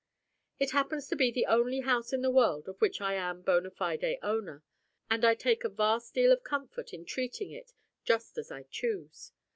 It happens to be the only house in the world of which I am bona fide owner, and I take a vast deal of comfort in treating it just as I choose.